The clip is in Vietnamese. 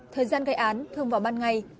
thời gian gây án thường vào ban ngày